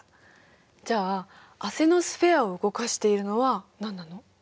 じゃあアセノスフェアを動かしているのは何なの？